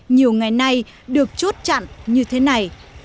nhiều ngày nay được chốt chặn như thế này